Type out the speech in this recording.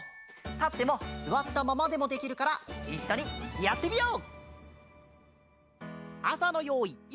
たってもすわったままでもできるからいっしょにやってみよう！